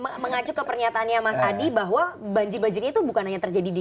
saya mengacu ke pernyataannya mas adi bahwa banjir banjirnya itu bukan hanya terjadi di